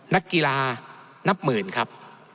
นักกีฬานับหมื่นครับ